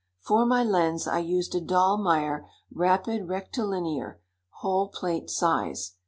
For my lens I used a Dallmeyer rapid rectilinear, whole plate size.